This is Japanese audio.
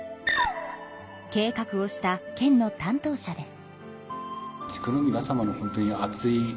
計画をした県の担当者です。